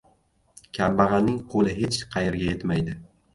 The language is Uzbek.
• Kambag‘alning qo‘li hech qayerga yetmaydi.